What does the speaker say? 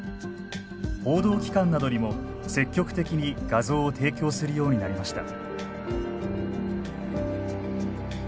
報道機関などにも積極的に画像を提供するようになりました。